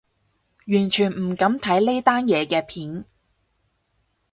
完全唔敢睇呢單嘢嘅片